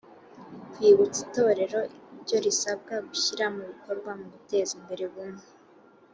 Kwibutsa Itorero ibyo risabwa gushyira mu bikorwa mu guteza imbere ubumwe